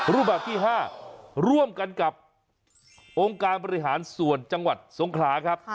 รูปแบบที่๕ร่วมกันกับองค์การบริหารส่วนจังหวัดสงขลาครับ